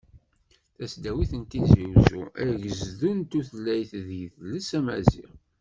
Tasdawit n Tizi Uzzu, agezdu n tutlayt d yidles amaziɣ.